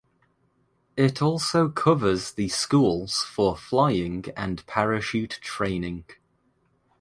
It also covers the schools for flying and parachute training.